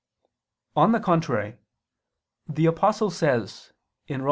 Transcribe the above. On the contrary, The Apostle says (Rom.